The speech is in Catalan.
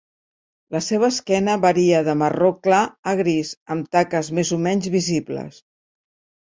La seva esquena varia de marró clar a gris amb taques més o menys visibles.